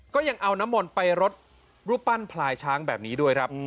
ก็ยังเอาน้ำมนต์ไปรดรูปปั้นพลายช้างแบบนี้ด้วยครับ